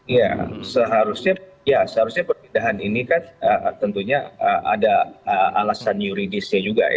ya seharusnya ya seharusnya perpindahan ini kan tentunya ada alasan yuridisnya juga ya